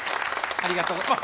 ありがとうございます。